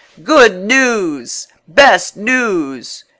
"Good news!" "Best news!"